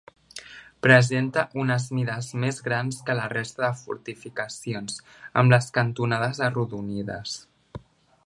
Presenta unes mides més grans que la resta de fortificacions, amb les cantonades arrodonides.